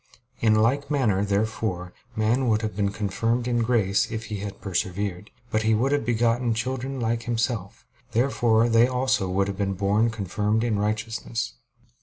In like manner, therefore, man would have been confirmed in grace if he had persevered. But he would have begotten children like himself. Therefore they also would have been born confirmed in righteousness.